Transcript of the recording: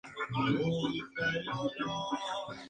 Hay restos de muros que se conservan sobre el pueblo de Segur.